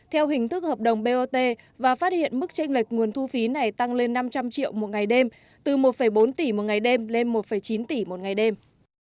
theo hình thức hợp đồng bot và phát hiện mức tranh lệch nguồn thu phí này tăng lên năm trăm linh triệu một ngày đêm từ một bốn tỷ một ngày đêm lên một chín tỷ một ngày đêm